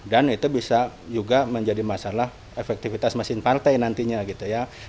dan itu bisa juga menjadi masalah efektivitas mesin partai nantinya gitu ya